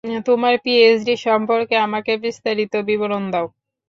তোমার পিএইচডি সম্পর্কে আমাকে বিস্তারিত বিবরণ দাও।